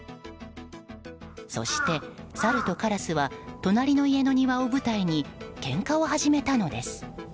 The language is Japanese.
そして、サルとカラスは隣の家の庭を舞台にけんかを始めたのです。